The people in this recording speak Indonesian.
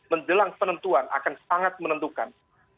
menjelang penentuan akan sangat menentukan